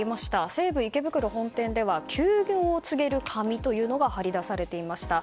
西武池袋本店には休業を告げる紙というのが貼り出されていました。